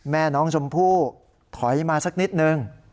แม่น้องชมพู่ถอยมาสักนิดนึง